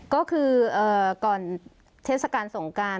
ก็คือก่อนเทศกาลสงการ